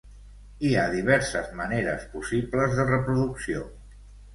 Hi ha diverses maneres possibles de reproducció.